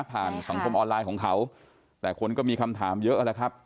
สังคมออนไลน์ของเขาแต่คนก็มีคำถามเยอะแล้วครับ